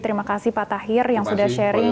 terima kasih pak tahir yang sudah sharing